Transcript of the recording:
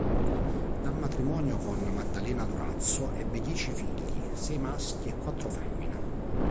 Dal matrimonio con Maddalena Durazzo ebbe dieci figli: sei maschi e quattro femmine.